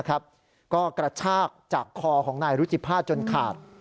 ก็กระชากจากคอของนายรุจิภาษจนขาด